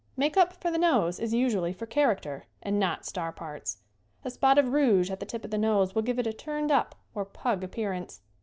Make up for the nose is usually for charac ter and not star parts. A spot of rouge at the SCREEN ACTING 63 tip of the nose will give it a turned up or pug appearance.